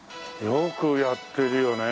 よくやってるよね。